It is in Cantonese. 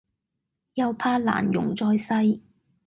又怕難容在世